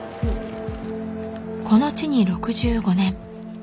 この地に６５年。